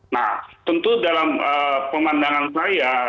nah tentu dalam pemandangan saya